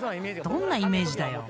［どんなイメージだよ！］